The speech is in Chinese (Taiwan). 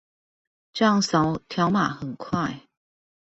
這樣掃條碼很快